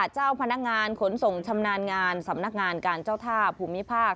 เจ้าพนักงานขนส่งชำนาญงานสำนักงานการเจ้าท่าภูมิภาค